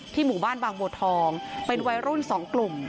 ที่หมู่บ้านบางบวชทองเป็นวัยรุ่นสองกลุ่ม